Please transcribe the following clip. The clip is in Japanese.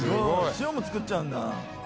塩も作っちゃうんだ」